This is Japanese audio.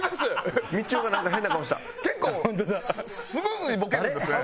結構スムーズにボケるんですね。